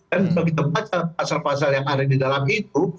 dan kalau kita baca pasal pasal yang ada di dalam itu